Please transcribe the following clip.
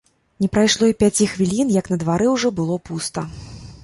Не прайшло і пяці хвілін, як на двары ўжо было пуста.